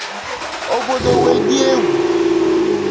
obodo wee dị egwu